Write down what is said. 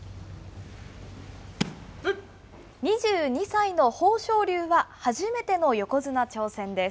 ２２歳の豊昇龍は、初めての横綱挑戦です。